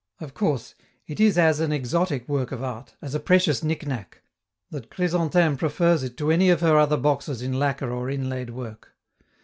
Of course, it is as an exotic work of art, as a precious knickknack, that Chrysantheme prefers it to any of her other boxes in lacquer or inlaid work.